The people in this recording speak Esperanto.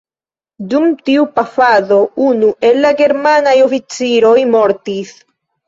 Dum tiu pafado unu el la germanaj oficiroj mortis.